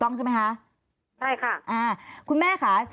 ตอนที่จะไปอยู่โรงเรียนนี้แปลว่าเรียนจบมไหนคะ